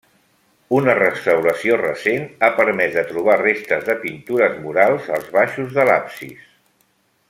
Una restauració recent ha permès de trobar restes de pintures murals als baixos de l'absis.